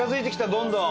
どんどん。